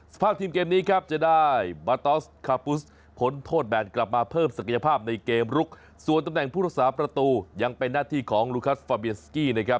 สภาพทีมเกมนี้ครับจะได้บาตอสคาปุสพ้นโทษแบนกลับมาเพิ่มศักยภาพในเกมลุกส่วนตำแหน่งผู้รักษาประตูยังเป็นหน้าที่ของลูคัสฟาเบียสกี้นะครับ